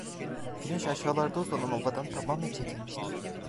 Güneş, aşağılarda uzanan ovadan tamamen çekilmişti.